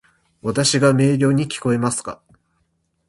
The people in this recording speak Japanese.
わたし（の声）が明瞭に聞こえますか？